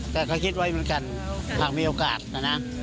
แต่ก็คิดไว้เหมือนกันหากมีโอกาสนะนะ